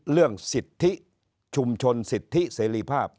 เรื่องสิทธิชุมชนสิทธิเสรีภาพ